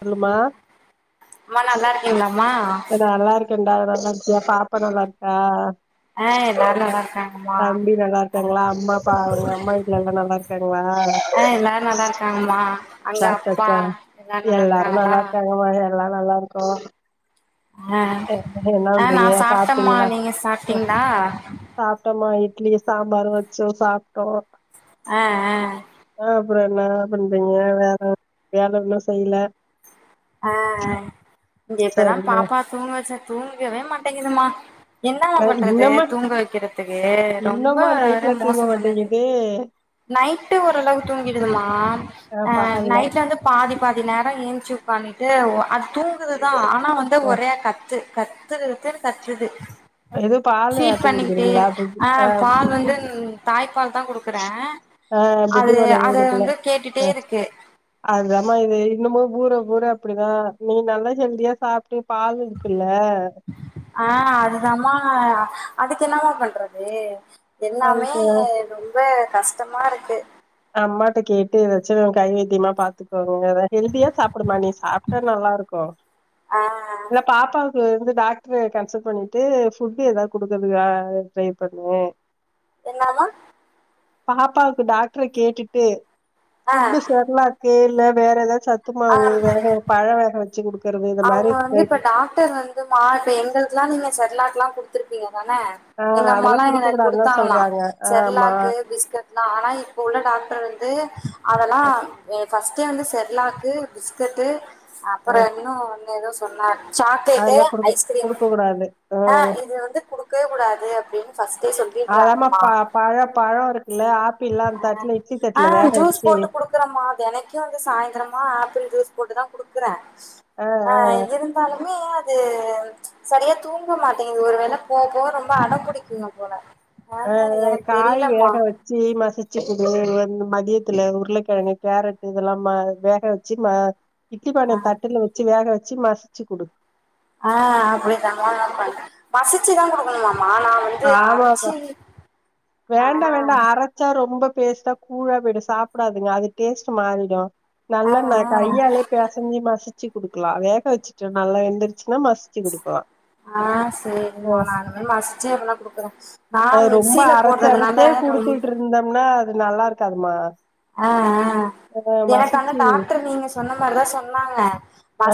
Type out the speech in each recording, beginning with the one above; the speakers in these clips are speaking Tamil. சொல்லும்மா அம்மா நல்லா இருக்கீங்களாம்மா தா நல்லா இருக்கேன்டா [unintelligible] நல்லா இருக்கியா பாப்பா நல்லா இருக்கா ஆ எல்லாரும் நல்லா இருக்காங்கம்மா தம்பி நல்லா இருக்காங்களா அம்மா அப்பா உங்க அம்மா வீட்டுல எல்லா நல்லா இருக் [unintelligible] ஹ நல்லா இருக்காங்கம்மா அங்க அப்பா சாப்ட்டாச்சா எல்லாரும் நல்லா எல்லாரு இருக்காங்களா நல்லாயிருக்காங்க மா எல்லா நல்லார்க்கோ ஆ [unintelligible] என்ன ஆ பண்றீங்க நான் சாப்ட்டேம்மா சாப்ட்டீங்ளா நீங்க ஹ சாப்ட்டீங்களா சாப்ட்டோம்மா இட்லி சாம்பார் வச்சு சாப்ட்டோ அ அ அ அப்பறோ என்ன பண்றீங்க வேற வேல ஒன்னு செய்ல அ அ இங்க இப்பதா சரிம்மா பாப்பா தூங்க வெச்ச தூங்கவே மாட்டெங்குதுமா என்னம்மா அஹ் பண்றது இன்னமா தூங்க வெக்கறத்துக்கு ரொம்ப இன்னமா வர வர நைட்ல தூங்க மோசோ பண்ணுது மாட்டேங்குது நைட்டு் ஒரளவு தூங்கிடுதும்மா ஆ அ பகல்ல நைட்ல வந்து பாதி பாதி நேரோ ஏந்ச்சு உக்காந்தீட்டு ஒ அது தூங்குதுதா ஆனா வந்து ஒரே கத் த்து கத்து கத்துன்னு கத்துது எது பால் ஃபீட் ஆத்தி பண்ணிக்கிட்டு குடுக்குறீங்களா புட்டி ஆ பால் வந்து தாய்ப்பால் தா குடுக் க்குறே ஆ புட்டி அது பால் அத வந்து கேட்டுட்டே இருக்கு அதுதாம்மா இது இன்னுமு ஊற ஊற இப்பிடிதா நீ நல்லா ஹெல்தியா சாப்பிட்டு பால் இருக்குல்ல ஆ அதுதாம்மா அதுக்கு என்னாமா பண்றது எல்லாமே அதுக்கு ரொம்ப கஷ்டமா இருக்கு அம்மாட்ட கேட்டு எதாச்சு கைவைத்தியமா பாத்துக்கோங்கமா ஹெல்தியா சாப்புடுமா நீ சாப் ட்டா நல்லா இருக்கு இல்ல பாப்பாவுக் கு வந்து டாக்டரு கன்சல்ட் பண்ணிட்டு ஃபுட்டு எதாவது குடுக்கறதுக்கா ட்ரை பண்ணு என்னாதா பாப்பாவுக்கு டாக்டர கேட்டுட்டு ஃபுட்டு செர்லாக் கேளு வேற எதாவது சத்து மாவு வேற பழ வேக வெச்சு குடுக்கறது இந்த அவங்க மாரி வந்து ட்ரை இப்ப டாக்டர் வந்து மா இப்ப எங்களுக்கெல்லா நீங்க செர்லாக் எல்லா குடுத்துருப்பீங்க தானே ஆ எங்க அதெல்லா அம்மால்லா குடுக்க எங்களுக்கு கூடாதுன்தா குடுத்தாங்களா சொல்றாங்க ஆமா செர்லாக்கு பிஸ்கட் ட்லா ஆனா இப்ப உள்ள டாக்டர் வந்து அதெல்லா ஃபஸ்ட்டே வந்து செர்லாக்கு பிஸ்கட்டு ஆ அப்றோ இன்னு ஒன்னு ஏதோ [unintelligible] சாக்லேட்டு அதெல்லா குடுக்க ஐஸ்கிரீமு குடுக்க கூடாது ஆ ம் இது வந்து குடுக்கவே கூடாது அப்டின்னு ஃபஸ்ட்டே சொல்லி அதாம்மா இட்றாங்கம்மா ப பழ பழோ இருக்குல்ல ஆப்பிள்லா தட்டுல இட்லி ஆ தட்டுல வேக ஜூஸ் வச்சு போட்டு குடுக் குடுக்கறமா தெனைக்கு வந்து சாய்ந்தரமா ஆப்பிள் ஜூஸ் போட்டு தா குடுக்கறே ஆ இருந்தாலு இன்னு ஏ அது சரியா தூங்குவே மாட்டேங்குது ஒரு வேள போவ போவ ரொம்ப அடம் புடிக்குங்க போல ஆ ஆ எனக்கு காய் தெரியலமா வேக வெச் சி மசிச்சி குடு வந் மதியத்துல உருளக்கெழங்கு கேரட் இதெல்லா ம வேக வெச்சு ம இட்லி பான தட்டுல வெச்சி வேக வெச்சு மசிச்சு குடு ஆ அப்பிடிதாம்மா நா பண்றே மசிச்சுதா குடுக்கணுமாம்மா நா வந் ஆமாப்பா ஆ வேண்டா வேண்டா அர ச்சா ரொம்ப பேஸ்ட்டா கூழா போய்டு சாப்புடாதுங்க அது டேஸ்ட் மாறிடு ஆ ஆ நல்லா கையாலயே பெசஞ்சு மசிச்சு குடுக்கலா வேக வெச்சுட்ட நல்லா வெந்துருச்சுன்னா மச ஆ ஆ சேரிம்மா நா இனிமே மசிச்சே அப்டின்னா குடுக்கறே அது ரொம்ப அரச்சு அரச்சே குடுத்துட்டு இருந்தோம்னா அது நல்லா இருக்காதும்மா ஆ ஆ எனக்கு அங்க டாக்டர் நீங்க சொன்ன மாறிதா சொன்னாங்க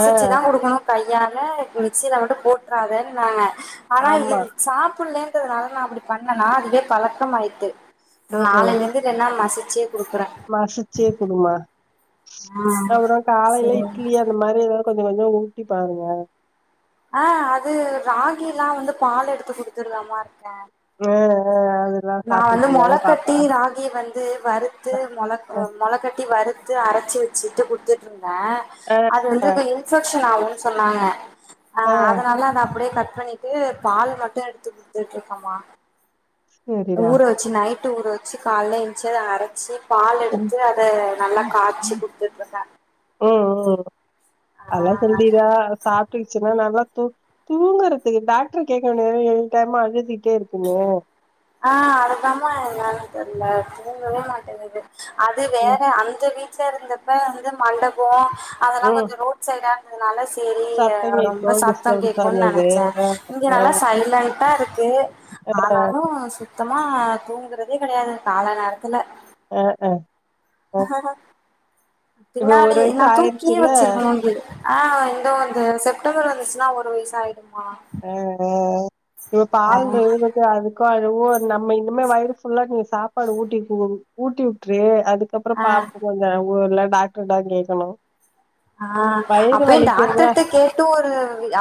ஆ தா குடுக்கணு கையால மிக்சில மட்டு போட்டறாதன்னாங்க ஆனா இது ஆமா. சாப்பிட்லேன்ட்டு அதுனால நா அப்டி பண்ணேனா அதுவே பழக்கம் ஆயிட்டு ம்ஹ்ம். நாளில இருந் எல்லா மசிச்சே குடுக்கறே மசிச்சே குடுமா ஆ அப்றோ காலையில சேரி இட்லியா இந்த மாறி எதாவது கொஞ்சோ கொஞ்சோ ஊட்டி பாருங்க ஆ அது ராகில்லா வந்து பால் எடுத்து குடுத்துட்டுதாம்மா இருக்க ஆ ஆ அது நா வந்து மொள கட்டி ரா கி வந்து வறுத்து மொள அ மொளகட்டி வறுத்து அரச்சி வெச்சுட்டு குடுத்துட்டு ந்தே அ அது வந்து இப்ப இன்பெக்ஷன் ஆகுன்னு சொன்னாங்க ஆ அ அதனால அத அப்டியே கட் பண் இது பால் மட்டு எடுத்து குடுத்துட்டு இருக்கம்மா சேரி டா ச்சி நைட்டு ஊர வச்சு கால்ல என்ச்சி அத அரச்சி பால் ம் எடுத்து அத நல்லா காய்ச்சு குடுத்துட்ருக்க ம் ம் அதுல்லா ஆ ஹெல்திதா சாப் தூங்சின்னா நல்லா து தூங்கறதுக்கு டாக்ட்ரு கேக்க வேண்டியது தான எனி டைமு அழுதிட்டே இருக்குன்னு அ அதத்தாமா என்னான் தெர்ல தூங்கவே மாட்டேங்குது அது வேற ம் அந்த வீட் சேர் இருந்தப்ப வந்து மண்டபோ அதெல்லா ம். கொஞ்சோ ரோட் சைடா இருந்தனால சேரி சத்தம் ரொம்ப கேட்கும் சத்தம் டிஸ்டர்பன்ஸா கேக்கும் இருந்தது. நெனச்ச இங்க அ அ. நல்லா சைலன்ட்டா இருக்கு அ ஆனாலு சுத்தமா தூங்குறதே கெடயாது கால நேரத்துல அ அ அ இப்ப ஒரு பின்னாடி வயசு நா தூக்கியே ஆயிருச்சுல்ல வச்சிருக்கணும்ங்கு ஆ இதோ இந்த செப்டம்பர் வந்துச்சுன்னா ஒரு வய்சு ஆய்டுமா அ அ இவ பால் ஏது அதுக்கு அழுவும் நம்ம இனிமே வயிறு ஃபுல்லா நெற் சாப்பாடு ஊட்டி உட்டுறது அப்புறம் பாப்பா கொஞ்சோ அழுவுல டாக்ட்ரு இன்னா தெரியுமா சொல்லு ஆ அப்பயு டாக்ட்ருட்ட கேட் டு ஒரு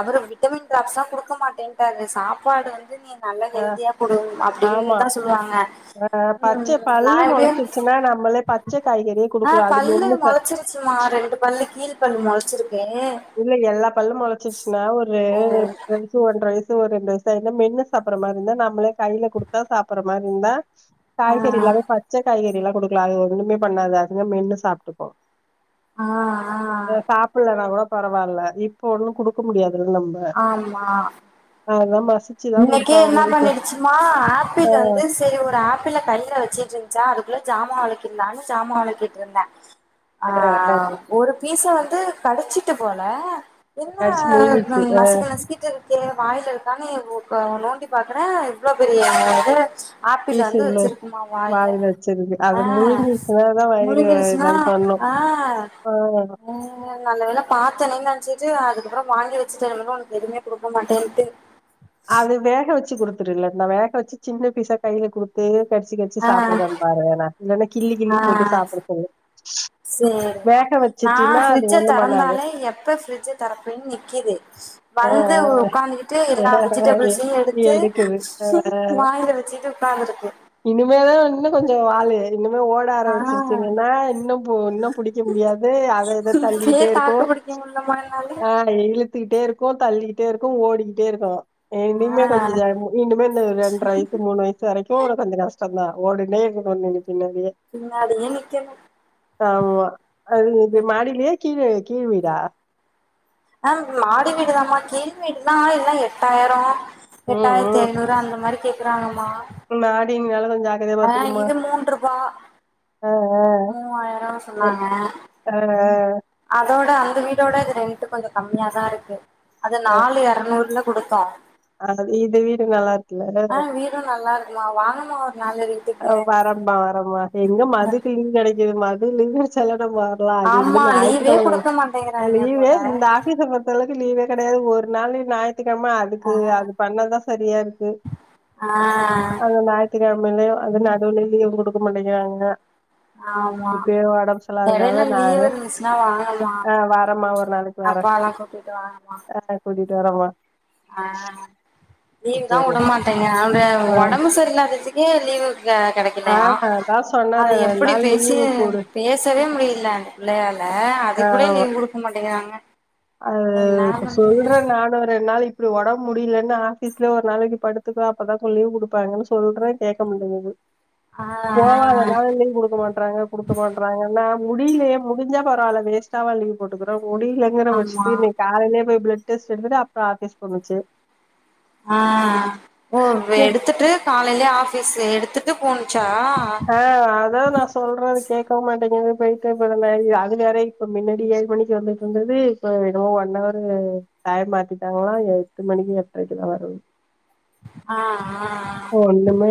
அவுரு விட்டமின் ட்ராப்ஸ்லா குடுக்க மாட்டேன்ட்டாரு அ சாப்பாடு வந்து நீ நல்லா அ ஹெல்தியா குடு அப்டின்னுதா சொல்வாங்க ஆ பச்ச பல்லு மொளச்சிருச்சுன்னா நம்மளே பச்ச காய்கறியே குடுக்கலா அது மென்னு சாப் சும்மா ரெண்டு பல்லு கீழ் பல்லு மொளச்சிருக்கு இல்ல எல்லா பல்லும் மொளச்சிருச்சுன்னா ஒரு ஓ ஒன்னு ஒன்ற வயசு ஒரு ரெண்டு வயசு ஆய்னா மென்னு சாப்பிற மாரி இருந்தா நம்மளே கையில குடுத்தா சாப்பிற மாரி இருந்தா ஆ காய்கறி எல்லாமே பச்ச காய்கறிலா குடுக்கலா அது ஒன்னுமே பண்ணாது அதுவே மென்னு சாப்ட்டுக்கு ஆ ஆ அ சாப்பலன்னா கூட பரவால்ல இப்ப ஒண்ணு குடுக்க முடியாதுல்ல நம்போ ஆமா நல்லா மசிச் இன்னைக்கே என்னா பண்ணிடுச்சு மா ஆப்பிள் அ வந்து சரி ஒரு ஆப்பிள கைல வச்சிட்டு இருந்ச்சா அதுக்குள்ள சாமா வெலக்கில்லான்னு சாமா வெலக்கிட்ருந்த ஆ ஆ ஒரு பீச வந்து கடிச்சிட்டு போல கடிச்சு என்ன முழுங்கிச்சு அ நசுக்கு நசுக்கிட்டு இருக் கே வாய்ல இருக்கானு ஒ அ நோண்டி பாக்குற இவ்ளோ பெரிய இது ஆப்பிள் பீஸ் வந்து உள்ள வச்சிருக்குமா வாயில வச்சிருக்கு ஆ அத முழுங்கிச்சன தா வயிறு வேற முழுங்கிருச்சுன்னா எதாவ்து பண்ணும் ஆ ஆமாமா ம் நல்ல வேல பாத்தனே நன்ச்சுட்டு அதுக்கப்புறோ வாங்கி வச்சுட்டே உனக்கு எதுவுமே குடுக்க மாட்டேன்ட்டு அது வேக வச்சு குடுத்துரு இல்லாட்னா வேக வச்சு சின்ன பீசா கைல குடுத்து கடிச்சு கடிச்சு ஆ ஆ சாப்டுதானு பாரு ஒருவேள இல்லனா கிள்ளி ஆ கிள்ளி போட்டு சாப்ட சொல்லு சேரிமா வேக நா வச்சுட்டின்னா அது ஃப்ரிட்ஜ ஒண்ணு பண்ணாது தெறந்தாலே எப்ப ஃப்ரிட்ஜ தறப்பேன் நிக்கிது அ வந்து உக்காந்துக்கிட்டு அ எல்லா வெஜிடேபிள்ஸ்யு எடுத்து எடுக்குது வாய்ல வச்சுட்டு உக்காந்திருக்கு இனிமேதா இன்னு கொஞ்சோ வாலு இன்னுமே ஓட ஆ ஆரம்பிச்சிருச்சீங்கன்னா இன்னும் பு இன்னும் புடிக்க முடியாது அத இத தள்ளிட்டே இருக்கு நம்மனால அது இழுத்துக்கிட்டே இருக்கோ தள்ளிக்கிட்டே இருக்கோ ஓடிக்கிட்டே இருக்கோ எ இனிமே ஆ கொஞ்சோ ஜாக இனிமே இந்த ரெண்ரை வய சு மூணு வயசு வரைக்கு உனக்கு கொஞ்சோ கஷ்டந் தா ஓடுனே இருக்கணு நீ பின்னாடியே பின்னாடியே நிக்கனு ஆமா அது இது மாடிலயா கீழ கீழ் வீடா ஆ மாடி வீடுதாம்மா கீழ் வீடுனா எல்லா எட்டாயரோ ம் எட்டாயிரத்தி ஐநூறு அந்த மாரி கேக்குறாங்கமா மாடினால கொஞ் ஜாக் ஆ இது மூண்ருபா ஆ ஆ மூவாயிரோ எ சொன்னாங்க ஆ அதோட அந்த வீடோட இது ரெண்ட்டு கொஞ்சோ கம்மியா தா இருக்கு அது நாலு இரநூறுல குடுத்தோ அ இது வீடு நல்லாருக்குல ம் நல்லா இருக்குமா வாங்கமா ஒரு நாள்ளரி வரம்மா வரம்மா எங்க மதுக்கு லீவு கெடைக்குது மது லிவு சலனம் வர ஒ அது இங்க ஆமா லீவே ஞாயித்துக்கழம குடுக்க ஒ மாட்டேங்கிறாங்க லீவே போல இல்ல இந்த ஆபீஸ் பொறுத் தளவுக்கு லீவே கடையாது ஒரு நாள்ளு ஞாயித்துக்கழம இருக்கு அது பண்ணாதா சரியா இருக்கு ஆ ஆனா ஞாயித்துக்கழமையிலயு அது நடுவுலயு லீவு குடுக்க மாட்டேங்கறாங்க ஆமா இப்டே ஒடம்பு எடையில சல்லாதனால லீவ் நானு இருந்துச்சுன்னா ஆ வரமா ஒரு நாளைக் அப்பாவல்லா கூப்டிட்டு வாங்கமா கூட்டிட்டு வரமா ஆ லீவு தா சரிங்க உடமாட்டீங்க அந்த ஆ ஒடம்பு சரியில்லடச்சு [unintelligible] லீவு க கடை ஆ க்கலயா அதா சொன்னாரு அது ரெண்டு எப்படி நாள் பேசி லீவு குடு பேசவே முடில பிள்ளையால அதுக்கூட ஆ லீவு குடுக்க மாட்டேங்கறாங்க அது சொல்ற நானு ரெண்டு நாளைக் இப்டி ஒடம் முடியலன்னு ஆஃபீஸ்லே ஒரு நாளைக்கு படுத்துக்கோ அப்பதா கொஞ் லீவ் குடுப்பாங்கன்னு சொல்ற கேக்க மாட்டேங்குது ஆ ஆ போவாதனாலா லீவு குடுக்க மாட் றாங்க குடுக்க மாட்றாங்கனா முடியிலயே முடிஞ்சா பரவால்ல வேஸ்ட்டாவா லீவு போட்டுக்குறோ முடியலங்கற பட்ச் ஆமா காலைலே போய் பிளட் டெஸ்ட் எடுத்துட்டு அப்புறோ ஆஃபீஸ் போணுச்சு ஆ ஓ எடுத்துட்டு காலையிலே ஆஃபீஸ்ல எடுத்துட்டு போணுச்சா ஆ அதா நா சொல்ற கேக்கவு மாட்டேங்குது போய்ட்டு [unintelligible] அது வேறை இப்ப மின்னாடி ஏழு மணிக்கு வந்துட்ருந்துது இப்ப என்னமோ ஒன் அவரு டைம் மாத்திட்டாங்களா எட்டு மணிக்கு எட்றக்கெல்லா வர்றது ஆ ஆ ஆ ஒண்ணுமே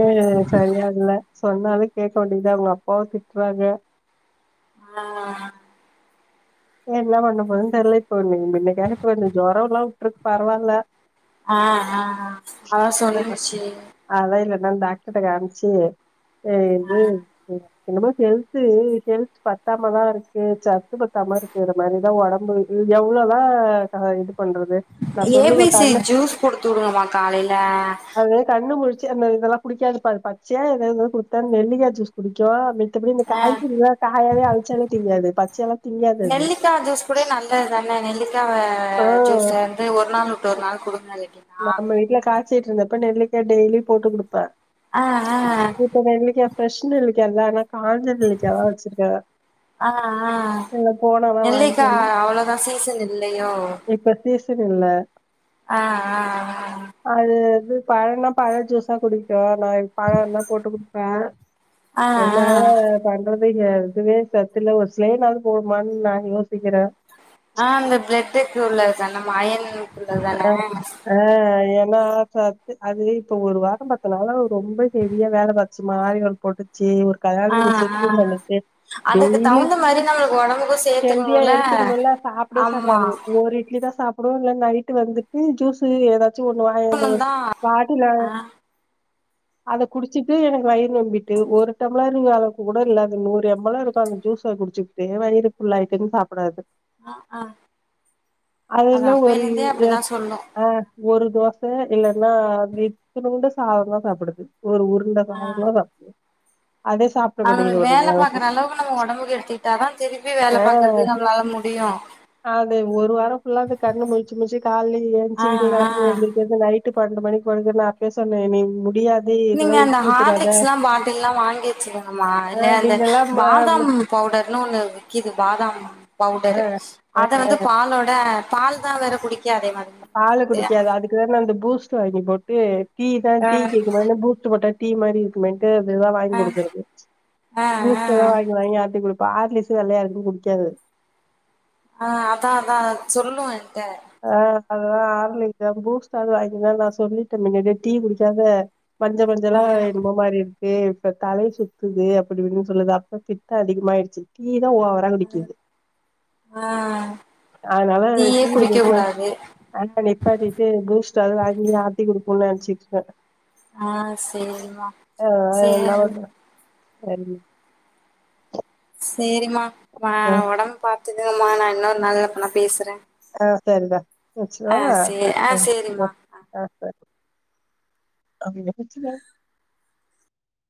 சரியா இல்ல சொன்னாலு கேக்க மாட்டீங்குது அவுங்க அப்பாவு திட்றாங்க ஆ ஏ என்ன பண்ண போதுன் தெர்ல இப்ப இன் இன்னைக்காக கொஞ்சோ ஜொரோல்லா உட்டுருக்கு பரவாயில்ல ஆ ஆ ஆ அதா சொல்லுன்ச்சி அதலா இல்லன்னா டாக்டர்ட்ட காமிச்சு அ இது என்னமோ ஹெல்த்து ஹெல்த்து பத்தாமதா இருக்கு சத்து ப த்தமா இருக்குற மாரிதா ஒடம்பு எவ்ளோதா நாக இது பண்றது நா ஏ சொல்லுவ பி சி கண்ண ஜூஸ் குடுத்து விடுங்கம்மா காலையில அது கண்ணுமுழிச்சு அந்த இதெல்லா குடிக்காதுப்பா அது பச்சையா எதாவது குடுத்தா நெல்லிக்கா ஜூஸ் குடிக்கு மத்தபடி இந்த ஆ காய்கறிலா காயாவே அவிச்சாலு திங்காது பச்சையாளா நெல்லிக்காய் ஜூஸ் கூட நல்லது தானே நெல்லிக்காய் ஆ. ஜூஸ் வந்து ஒரு நாள் விட்டு ஒரு நாள் கொடுங்க இல்லாட்டி நம்ம வீட்டல காய்சிட்டு இருந்தப்ப நெல்லிக்காய் டெய்லி போட்டு குடுப்பேன் ஆ ஆ இப்ப நெல்லிக்காய் பிரெஷ் நெல்லிக்காஇல்ல ஆனா காஞ்ச நெல்லிக்கா தான் வச்சிருக்க ஆ ஆ அ வாங்கிட்டு நெல்லைக்கா வந்தே அவ்ளோதான் சீசன் இல்லையோ இப்ப சீசன் இல்ல ஆ ஆ ஆ அது இது பழம்னா பழம் ஜூஸா குடிப்பேன் நான் பழம்ல்லாம் போட்டு குடிப்பேன் ஆ ஆ எல்லாரும் பண்றது எதுவே சத்துல ஒரு சில நாள் போ ம ந யோசிக்கிறேன் ஆ அந்த பிளட்டுக்கு உள்ளதுதானே அயனுக்கு உள்ளதுதானே ஆ ஏன்னா சத்து ஆது அது இப்ப ஒரு வாரம் பத்தனாள ரொம்ப ஹெவியா வேலை பார்த்துச் மாரி வந் போட்டுச்சு ஒரு ஆ கல்யாணதுக்கு ஆ செட்டும் பண்ணட்டு அதுக்கு டெய்லி தகுந்த மாரி நம்மளுக்கு ஒடம்புக்கு ஹெல்தியா சேத்துக்கணுல எடுத்துக்கணும்ல்ல சாப்பிடே ஆமா சாப்பிடாது ஒ இட்லி தான் சாப் டும் நைட்டு வந்துட்டு ஜூஸ்சு ஏதாச்சும் ஒண்ணு வாங்கிட்டு வந்ரு தா பாட்டில்ல அத குடிச்சிட்டு எனக்கு வயிறு ரொம்பிட்டு ஒரு டம்ளர் அளவுக்கு கூட இல்ல அது நூறு எம்மளா இருக்கும் அந்த ஜூஸ் ஸ குடிச்சுக்கிட்டே வயிறு புள்ளா ஆயிடுன்னு சாப்படாது ஆ ஆ அது அதுல ஒரு அப்பைலிருந்தே அப்டித்தா சொல்லும் ஆ ஒரு தோச இல்லன்னா இத்தணுண்டு சாதம் தா சாப்பிடுது ஒரு உருண்ட தா ஆ வாங்குவாங்க அமேர் சாப் அந்த வேல பாக்குற அளவுக்கு நம்ம ஒடம்புக்கு எடுத்துக்கிட்டாதா திருப்பி வேல ஆ பாக்குறதுக்கு நம்மளால முடியும் அது ஒரு வாரம் ஃபுல்லா அந்த கண்ணு முழுச்சு முழுச்சு காலைல எழுந்ச்சி ஆ வீடிய காலிருந்து ஆ எழுந்திரிகிறது நைட்டு பன்னெண்டு மணிக்கு படுக்கறதுல்லா நா அப்பயே சொன்னே இன்னிக்கு முடியாது நீங்க இதெல்லா அந்த இழுத்து விட்டுறாத ஹார்லிக்ஸ்லாம் பாத்திங்கனா வாங்கி வச்சுக்கோங்க மா ஆ இல்லைனா அந்த மின்னெல்லா ம பாதாம் பவுடர்னு ஒண்ணு விக்குது பாதாம் ஆ பவுடர் ஆ அத வந்து பாலோட பால் தா வேற குடிக்காதே மாரி பால குடிக்காது அதுக்குதா நா அந்த பூஸ்ட்டு வாங்கி போட்டு டீ தா ஆ டீ கேக்கும்போது பூஸ்ட்டு போட்டா டீ மாதிரி இருக்குமேன்ட்டு அதுதான் வாங்கி கொடுக்குறது ஆ ஆ பூஸ்ட்டே தா வாங்கி வாங்கி ஆத்தி குடுக் ஆர்லிக்ஸ்சு வெள்ளையா இருக்குதுனு குடிக்காது ஆ அதான் அதான் அ சொல்லும் என்ட்ட ஆ அதா ஆர்லிக்ஸா பூஸ்ட்டாவது வாங்கி தா நா சொல்லிட்டேன் மின்னாடியே டீ குடிக்காத மஞ்ச மஞ்சலா வாங்கினு போ ஒரு மாரி இருக்கு இப்ப தலைய சுத்துது அப்டி இப்டினு சொல்லுதா அப்ப பித்தம் அதிகமாயிடுச்சு டீ தான் ஓவர் தல வலிக்குது ஆ அதனால டீயே டீ குடிக்க எதும் கூடாது ஆண்ட நிப்பாட்டிட்டு பூஸ்ட்டாவது வாங்கி ஆத்தி குடுப்போம்னு நினைச்சிட்டிருகேன் ஆ சேரிமா சேரி வண்டி சேரிம்மா நா ஆ ஒடம்பு பாத்துகறமா நா இன்னொரு நாள் எப்பனா பேசற ஆ சரிடா வச்சரவா சே ஆ அ சேரிம்மா அ ஆ ஆச அது என் புஜ்ஜிமா